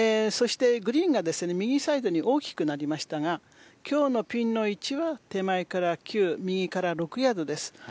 グリーンが右サイドに大きくなりましたが今日のピンの位置は手前から９右から６ヤードです。